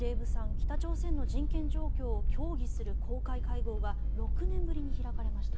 北朝鮮の人権状況を協議する公開会合が６年ぶりに開かれました。